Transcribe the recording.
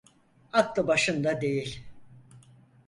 Aklı başında değil.